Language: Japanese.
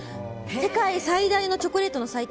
世界最大のチョコレートの祭典